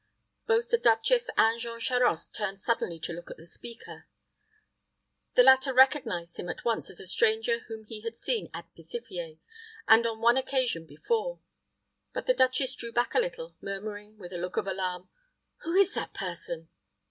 Both the duchess and Jean Charost turned suddenly to look at the speaker. The latter recognized him at once as the stranger whom he had seen at Pithiviers, and on one occasion before; but the duchess drew a little back, murmuring, with a look of alarm, "Who is that person?"